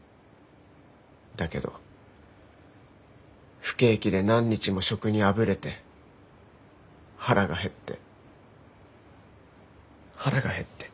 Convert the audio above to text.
だけど不景気で何日も職にあぶれて腹が減って腹が減って。